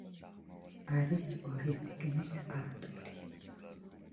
არის ორი წიგნის ავტორი.